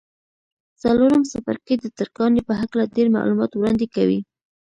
څلورم څپرکی د ترکاڼۍ په هکله ډېر معلومات وړاندې کوي.